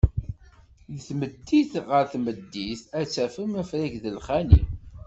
Deg tmeddit ɣer tmeddit, ad tafem afrag d lxali.